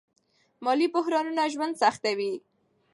مالي بحرانونه ژوند سختوي.